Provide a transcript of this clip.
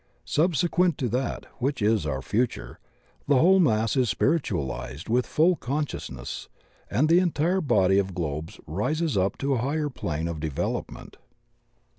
Subsequent to that, which is our future, the whole mass is spiritualized with full consciousness and the entire body of globes raised up to a higher plane of development.